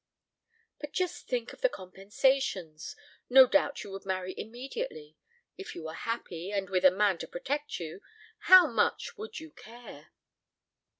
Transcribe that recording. "But just think of the compensations. No doubt you would marry immediately. If you were happy, and with a man to protect you, how much would you care?"